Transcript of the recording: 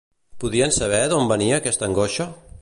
Podien saber d'on venia aquesta angoixa?